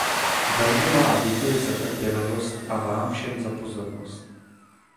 Velmi vám děkuji za trpělivost a vám všem za pozornost.